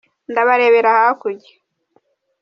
ndaharebera hakurya.